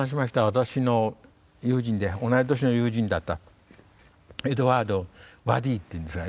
私の友人で同い年の友人だったエドワード・ワディっていうんですが。